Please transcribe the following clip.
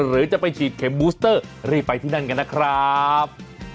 หรือจะไปฉีดเข็มบูสเตอร์รีบไปที่นั่นกันนะครับ